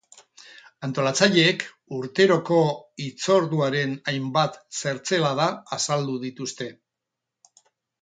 Antolatzaileek urteroko hitzorduaren hainbat zertzelada azaldu dituzte.